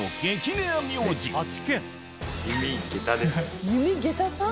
レア名字弓桁さん？